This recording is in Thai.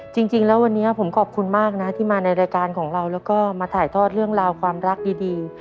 จริงแล้ววันนี้ผมขอบคุณมากนะที่มาในรายการของเราแล้วก็มาถ่ายทอดเรื่องราวความรักดี